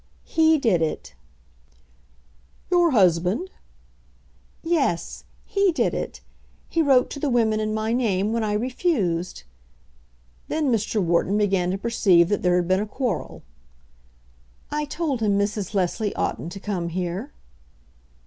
"He did it." "Your husband?" "Yes; he did it. He wrote to the women in my name when I refused." Then Mr. Wharton began to perceive that there had been a quarrel. "I told him Mrs. Leslie oughtn't to come here."